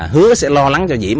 hứa sẽ lo lắng cho diễm